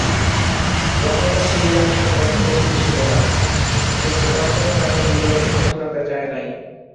তখনো ফিরিয়া আসার পথ কঠিন ছিল না, কিন্তু তখনো তাহার হৃদয়ের কঠিনতা যায় নাই।